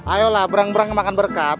ayolah berang berang makan berkat